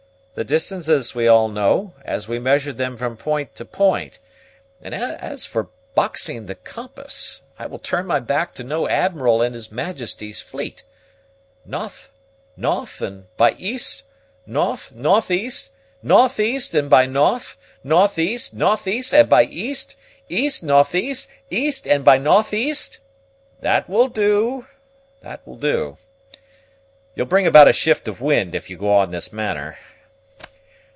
The distances we all know, as we measure them from point to point; and as for boxing the compass, I will turn my back to no admiral in his Majesty's fleet. Nothe, nothe and by east, nothe, nothe east, nothe east and by nothe, nothe east, nothe east and by east, east nothe east, east and by nothe east " "That will do, that will do. You'll bring about a shift of wind if you go on in this manner.